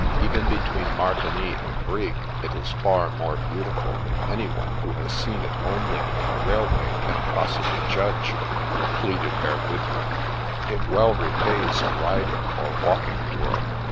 Even between Martigny and Brig, it is far more beautiful than anyone who has seen it only from the railway can possibly judge," pleaded Herr Widmer. * It well repays a riding or walking tour."